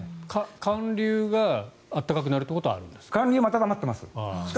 寒流が暖かくなるということはあるんですか？